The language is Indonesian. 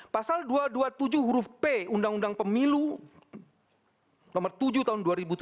pasal dua ratus dua puluh tujuh huruf p undang undang pemilu nomor tujuh tahun dua ribu tujuh belas